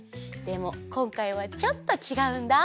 でもこんかいはちょっとちがうんだ！